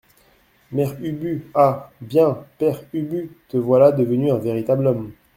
Mère Ubu Ah ! bien, Père Ubu, te voilà devenu un véritable homme.